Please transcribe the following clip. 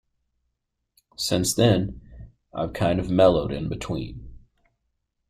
Since then, I've kind of mellowed in between.